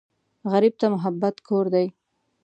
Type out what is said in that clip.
غریب ته محبت کور دی